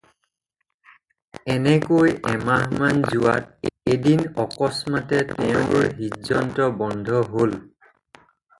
এনেকৈ এমাহমান যোৱাত এদিন অকস্মাতে তেওঁৰ হৃদযন্ত্ৰ বন্ধ হ'ল।